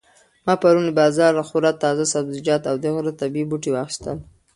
ما پرون له بازاره خورا تازه سبزیجات او د غره طبیعي بوټي واخیستل.